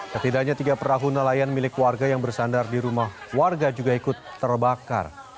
setidaknya tiga perahu nelayan milik warga yang bersandar di rumah warga juga ikut terbakar